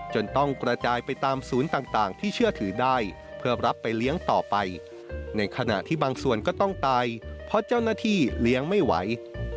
ต้องกระจายไปตามศูนย์ต่างที่เชื่อถือได้เพื่อรับไปเลี้ยงต่อไปในขณะที่บางส่วนก็ต้องตายเพราะเจ้าหน้าที่เลี้ยงไม่ไหว